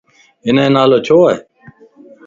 ھنَ جو نالو ڇو؟